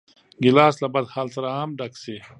ګیلاس له بدحال سره هم ډک شي.